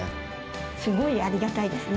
すごいありがたいですね。